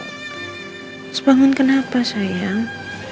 terus bangun kenapa sayang